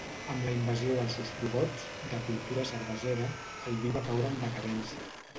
Amb la invasió dels ostrogots, de cultura cervesera, el vi va caure en decadència.